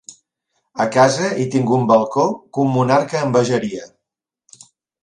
A casa hi tinc un balcó que un monarca envejaria